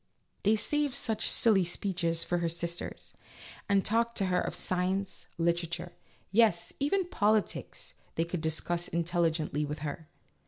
" They saved such silly speeches for her sisters, and talked to her of science, literature, yes, even politics they could discuss intelligently with her.